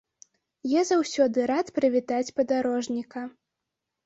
Я заўсёды рад прывітаць падарожніка.